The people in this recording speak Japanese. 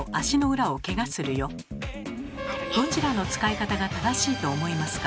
どちらの使い方が正しいと思いますか？